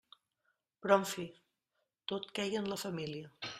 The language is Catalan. Però en fi..., tot queia en la família.